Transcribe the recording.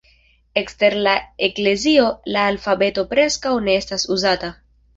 Ekster la eklezio la alfabeto preskaŭ ne estas uzata.